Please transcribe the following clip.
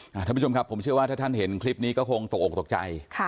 ท่านผู้ชมครับผมเชื่อว่าถ้าท่านเห็นคลิปนี้ก็คงตกออกตกใจ